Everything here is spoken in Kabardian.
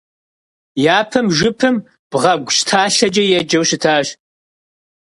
Япэм жыпым бгъэгущталъэкӏэ еджэу щытащ.